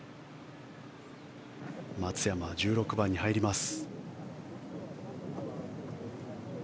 松山は１６番に入ります。